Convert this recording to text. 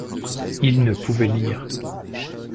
Il ne pouvait lire.